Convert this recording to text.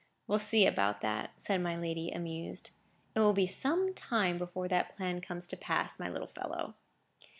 "We'll see about that," said my lady, amused. "It will be some time before that plan comes to pass, my little fellow."